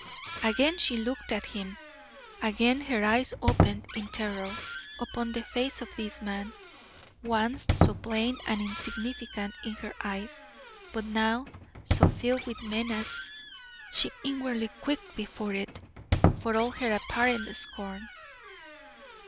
Again she looked at him, again her eyes opened in terror upon the face of this man, once so plain and insignificant in her eyes, but now so filled with menace she inwardly quaked before it, for all her apparent scorn.